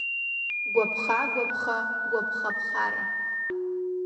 Гәаԥха-гәаԥха, гәаԥха-ԥхара…